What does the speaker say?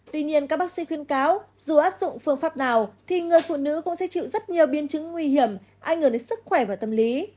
tuy nhiên các bác sĩ khuyên cáo dù áp dụng phương pháp nào thì người phụ nữ cũng sẽ chịu rất nhiều biên chứng nguy hiểm ảnh hưởng đến sức khỏe và tâm lý